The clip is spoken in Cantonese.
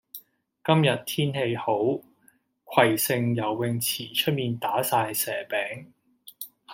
今日天氣好，葵盛游泳池出面打晒蛇餅。